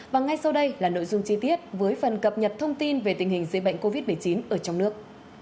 và ngay sau đây là nội dung chi tiết với phần cập nhật thông tin về tình hình dịch bệnh covid một mươi chín ở trong nước